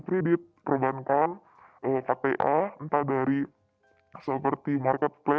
kredit perbankan atau pta entah dari seperti marketplace atau perusahaan yang lain seperti